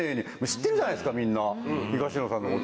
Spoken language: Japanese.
知ってるじゃないですかみんな東野さんのこと。